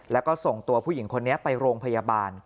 แล้วก็ส่งตัวผู้หญิงคนนี้ไปโรงพยาบาล